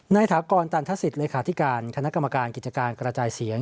ถากรตันทศิษย์เลขาธิการคณะกรรมการกิจการกระจายเสียง